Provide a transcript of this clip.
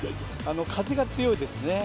風が強いですね。